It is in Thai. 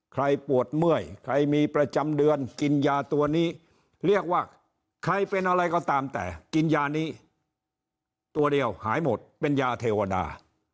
ปวดเมื่อยใครมีประจำเดือนกินยาตัวนี้เรียกว่าใครเป็นอะไรก็ตามแต่กินยานี้ตัวเดียวหายหมดเป็นยาเทวดา